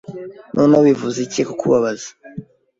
Noneho bivuze iki kukubaza